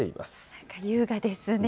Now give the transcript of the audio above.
なんか優雅ですね。